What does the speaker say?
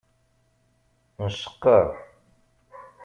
Nceqqer.